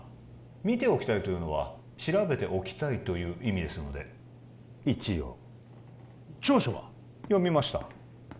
「見ておきたい」というのは「調べておきたい」という意味ですので一応調書は？読みました全部？